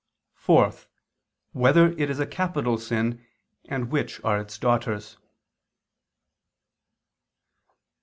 (4) Whether it is a capital sin, and which are its daughters?